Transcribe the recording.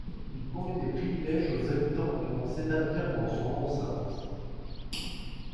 Il promet des privilèges aux habitants venant s'établir dans son enceinte.